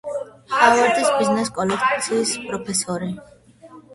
ჰარვარდის ბიზნეს სკოლის პროფესორი.